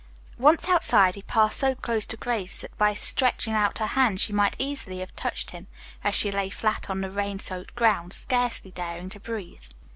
Once outside, he passed so close to Grace that by stretching out her hand she might easily have touched him, as she lay flat on the rain soaked ground, scarcely daring to breathe.